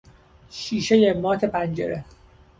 شیشهی مات پنجره